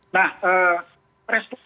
maupun konflik antaragama